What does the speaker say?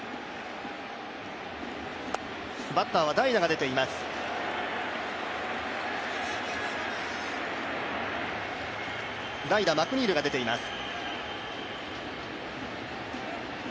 バッターは代打、マクニールが出ています。